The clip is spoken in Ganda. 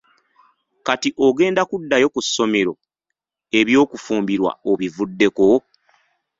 Kati ogenda kuddayo ku ssomero eby'okufumbirwa obivuddeko?